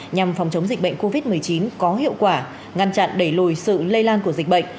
nhằm phòng chống dịch bệnh covid một mươi chín có hiệu quả ngăn chặn đẩy lùi sự lây lan của dịch bệnh